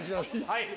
はい。